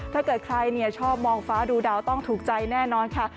ถ้าเกิดใครชอบมองฟ้าดูดาวต้องถูกใจแน่นอนค่ะ